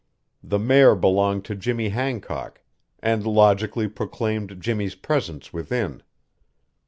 The mare belonged to Jimmy Hancock and logically proclaimed Jimmy's presence within.